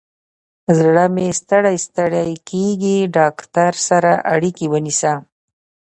زړه مې ستړی ستړي کیږي، ډاکتر سره اړیکه ونیسه